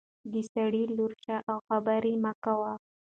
د سړي لور شه او خبرې مه کوه.